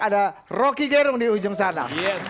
ada rocky gerung di ujung sana